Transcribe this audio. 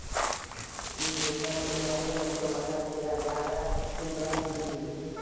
Etmishdan u yog`iga yasholmasam kerak, yana kim biladi deysiz